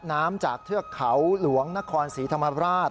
น้ำจากเทือกเขาหลวงนครศรีธรรมราช